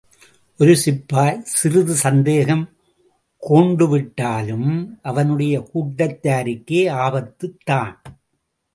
ஒரு சிப்பாய் சிறிது சந்தேகம் கோண்டுவிட்டாலும், அவனுடைய கூட்டத்தாருக்கே ஆபத்துத்தான்.